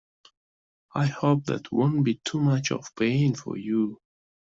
I hope that won't be too much of a pain for you?